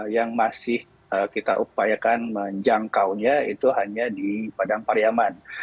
yang masih kita upayakan menjangkaunya itu hanya di padang pariaman